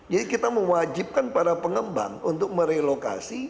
kita mewajibkan para pengembang untuk merelokasi